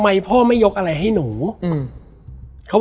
แล้วสักครั้งหนึ่งเขารู้สึกอึดอัดที่หน้าอก